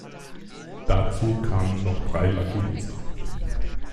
Dazu kamen noch drei Lucky Loser.